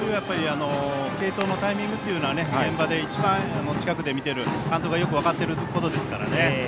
継投のタイミングというのは現場で一番、近くで見ている監督がよく分かってることですからね。